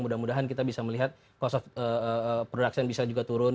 mudah mudahan kita bisa melihat cost of production bisa juga turun